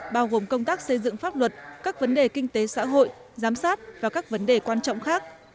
bao gồm công tác xây dựng pháp luật các vấn đề kinh tế xã hội giám sát và các vấn đề quan trọng khác